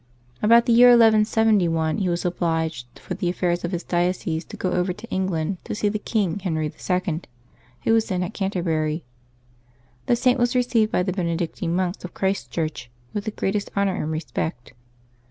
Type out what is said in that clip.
About the year 1171 he was obliged, for the affairs of his diocese, to go over to England to see the king, Henry IL, who was then at Canterbury. The Saint was received by the Benedictine monks of Christ Church with the greatest honor and respect.